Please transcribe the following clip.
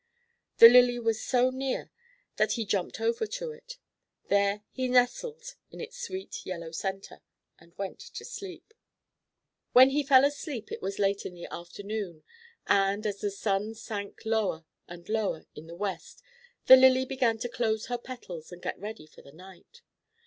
The lily was so near that he jumped over to it. There he nestled in its sweet, yellow centre, and went to sleep. When he fell asleep it was late in the afternoon, and, as the sun sank lower and lower in the west, the lily began to close her petals and get ready for the night.